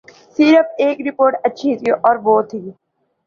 صرف ایک رپورٹ اچھی تھی اور وہ تھی۔